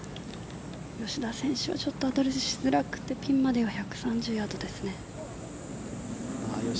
吉田選手はちょっとアドレスしづらくてピンまでは１３０ヤードですね。